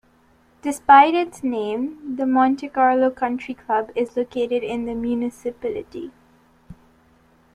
Despite its name, the Monte Carlo Country Club is located in the municipality.